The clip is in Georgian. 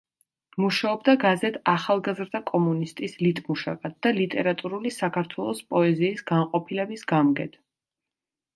მუშაობდა გაზეთ „ახალგაზრდა კომუნისტის“ ლიტმუშაკად და „ლიტერატურული საქართველოს“ პოეზიის განყოფილების გამგედ.